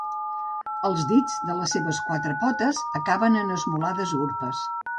Els dits de les seves quatre potes acaben en esmolades urpes.